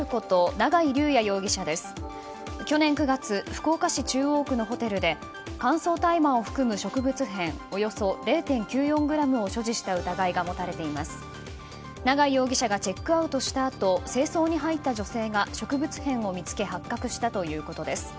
永井容疑者がチェックアウトしたあと清掃に入った女性が植物片を見つけ発覚したということです。